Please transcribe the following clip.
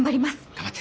頑張って。